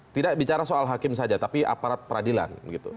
tidak bicara soal hakim saja tapi aparat peradilan